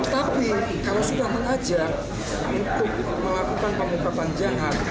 tapi kalau sudah mengajar untuk melakukan pemukapan jahat